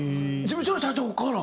事務所の社長から？